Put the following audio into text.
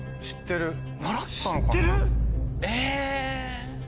知ってる？